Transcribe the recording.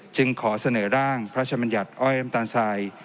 จึงขอเสนอร่างพระชมัญญัติอ้อยน้ำตาลทราย